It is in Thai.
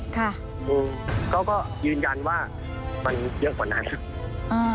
ค่ะอืมก็ยืนยันว่ามันเกี่ยวกว่านั้นอืม